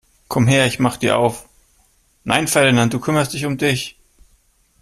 Komm her, ich mach dir auf! Nein Ferdinand, du kümmerst dich um dich!